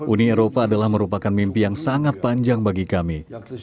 uni eropa adalah merupakan mimpi yang sangat panjang bagi kami